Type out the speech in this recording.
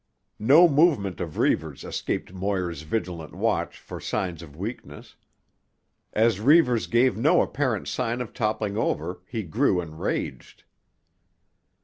No movement of Reivers escaped Moir's vigilant watch for signs of weakness. As Reivers gave no apparent sign of toppling over he grew enraged.